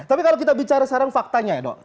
tapi kalau kita bicara sekarang faktanya ya dok